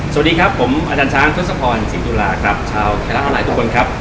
สวัสดีครับผมอาจารย์ช้างทศพรศรีฐุลาครับชาวแขล้วหลายทุกคนครับ